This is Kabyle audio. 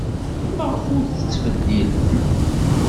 Maɣef ur t-tettbeddilem?